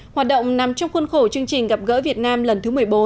hoạt động nằm trong khuôn khổ chương trình gặp gỡ việt nam lần thứ một mươi bốn